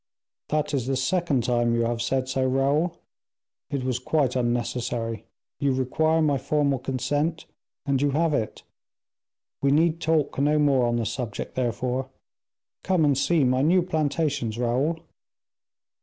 "That is the second time you have said so, Raoul; it was quite unnecessary; you require my formal consent, and you have it. We need talk no more on the subject, therefore. Come and see my new plantations, Raoul."